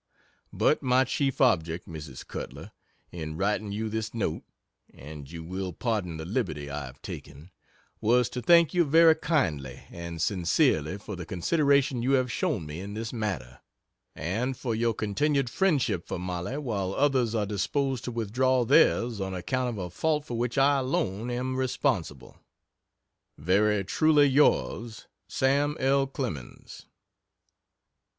But my chief object, Mrs. Cutler, in writing you this note (and you will pardon the liberty I have taken,) was to thank you very kindly and sincerely for the consideration you have shown me in this matter, and for your continued friendship for Mollie while others are disposed to withdraw theirs on account of a fault for which I alone am responsible. Very truly yours, SAM. L. CLEMENS.